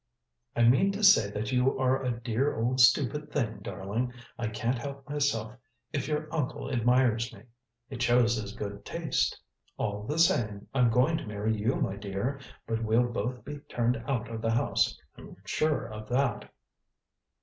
"I mean to say that you are a dear old stupid thing, darling. I can't help myself if your uncle admires me." "It shows his good taste. All the same " "All the same, I'm going to marry you, my dear. But we'll both be turned out of the house, I'm sure of that."